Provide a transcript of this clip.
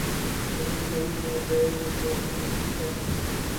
کبھی مئی میں گئے تو امید ہے۔